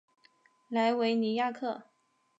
莱维尼亚克。